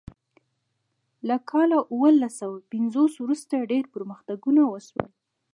له کال اوولس سوه پنځوس وروسته ډیر پرمختګونه وشول.